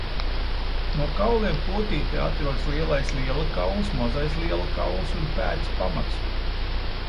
No kauliem potītē atrodas lielais liela kauls, mazais liela kauls un pēdas pamats.